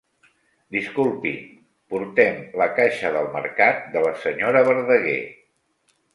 Disculpi, portem la caixa del mercat de la senyora Verdaguer.